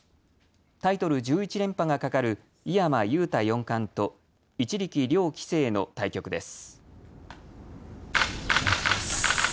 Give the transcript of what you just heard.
タイトル１１連覇がかかる井山裕太四冠と一力遼棋聖の対局です。